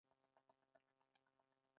د کتاب پاڼې د تجربو هنداره ده.